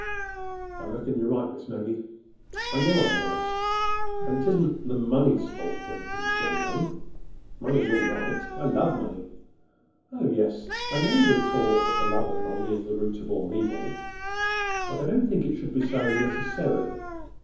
"I reckon—you're right, Miss Maggie." "I know I'm right, and 'tisn't the money's fault when things go wrong. Money's all right. I love money. Oh, yes, I know—we're taught that the love of money is the root of all evil. But I don't think it should be so—necessarily.